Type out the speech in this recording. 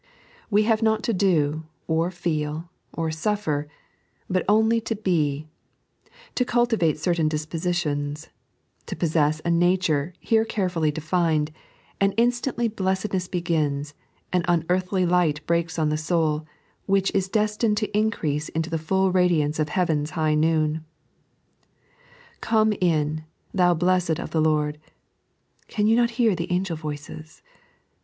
We have not to do, or feel, or snSer, but only to be ; to cultivate certain disposi tions; to possess a nature, here carefully defined — and instantly blessedness begins, an unearthly light breaks on the soul, which is destined to increase into the full radiance of Heaven's high noon. " Come in, thou blessed of the Lord" (can you not hear the angel voices?)